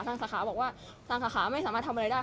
สาขาบอกว่าทางสาขาไม่สามารถทำอะไรได้